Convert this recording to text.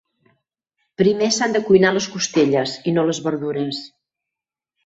Primer s'han de cuinar les costelles i no les verdures.